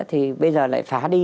thì bây giờ lại phá đi